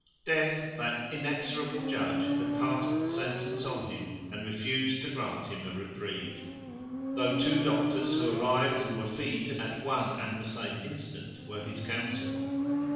Death, that inexorable judge, had passed sentence on him, and refused to grant him a reprieve, though two doctors who arrived, and were fee'd at one and the same instant, were his counsel.